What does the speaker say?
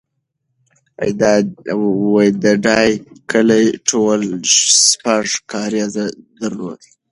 د ډایی کلی ټول شپږ کارېزه درلودل